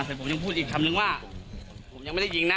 เพียงผมพูดอีกคำหนึ่งว่าผมยังไม่ได้ยิงนะ